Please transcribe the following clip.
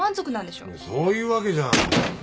いやそういうわけじゃ。